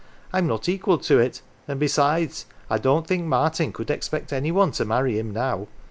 I'm not equal to it; and liesides, I don't think Martin could expect any one to marry him now.